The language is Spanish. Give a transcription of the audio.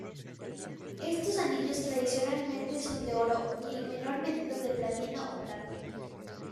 Estos anillos tradicionalmente son de oro y en menor medida de platino o plata.